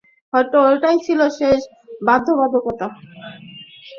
হয়তো ওটাই ছিল শেষ বাধ্যবাধকতা।